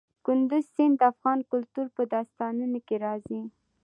کندز سیند د افغان کلتور په داستانونو کې راځي.